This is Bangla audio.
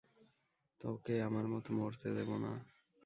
তোকে আমার মতো মরতে দেবো না।